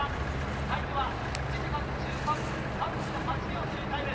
タイムは１時間１３分３８秒というタイム。